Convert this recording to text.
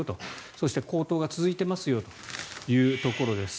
そして、高騰が続いていますよというところです。